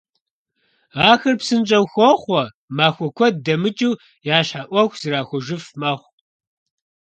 Ахэр псынщIэу хохъуэ, махуэ куэд дэмыкIыу я щхьэ Iуэху зэрахуэжыф мэхъу.